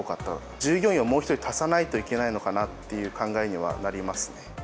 従業員をもう１人足さないといけないのかなという考えにはなりますね。